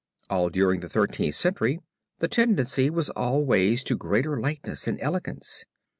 All during the Thirteenth Century the tendency was always to greater lightness and elegance.